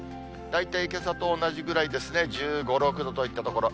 大体けさと同じぐらいですね、１５、６度といったところ。